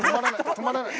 止まらない。